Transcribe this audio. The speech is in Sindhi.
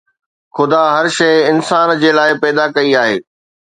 خدا هر شيءِ انسان جي لاءِ پيدا ڪئي آهي